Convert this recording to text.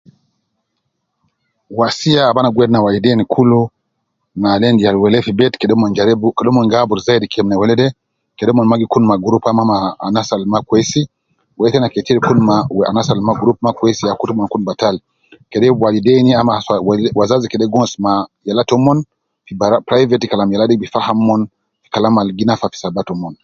Wasiya ab ana gi wedi ne waleidein kul ma al endi yal wele fi bet kede omon jaribu kede omon gi aburu zaidi kelem ne wele dee kede omon ma gi kun mee group ama maa anas al ma kwesi wele tena ketir kun ma anas al ma kwesi ya gi kutu omon kun batal kede waleidein ama, wazazi kede gi wonus me yala tomon fi bara private kalam yala kede faham omon fi kalam ab nafatu saba tomon